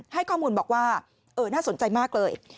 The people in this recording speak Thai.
ให้ข้อมูลบอกว่าน่าสนใจมากเลย